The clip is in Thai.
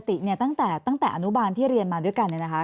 ปกติเนี่ยตั้งแต่ตั้งแต่อนุบาลที่เรียนมาด้วยกันเนี่ยนะคะ